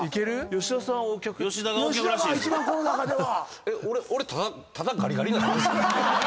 吉田が一番この中では。